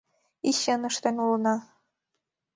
И чын ыштен улына!